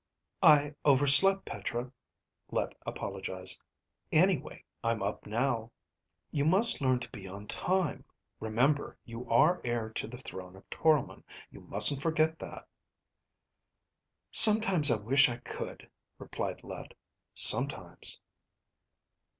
"I overslept, Petra," Let apologized. "Anyway, I'm up now." "You must learn to be on time. Remember, you are heir to the throne of Toromon. You mustn't forget that." "Sometimes I wish I could," replied Let. "Sometimes."